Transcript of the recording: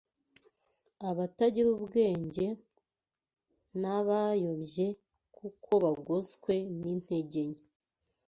abatagira ubwenge n’abayobye, kuko bagoswe n’intege nke